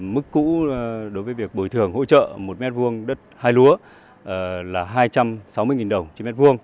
mức cũ đối với việc bồi thường hỗ trợ một m hai đất hai lúa là hai trăm sáu mươi đồng một m hai